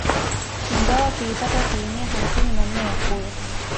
Ingawa kilipata asilimia hamsini na nne ya kura